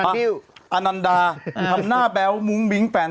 เรามาทำอะไรกัน